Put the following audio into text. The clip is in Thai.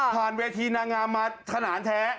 เวทีนางงามมาขนาดแท้